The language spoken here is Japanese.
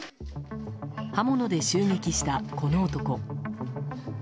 刃物で襲撃した、この男。